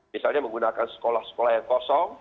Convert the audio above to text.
misalnya menggunakan sekolah sekolah yang kosong